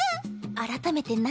改めて何？